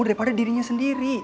daripada dirinya sendiri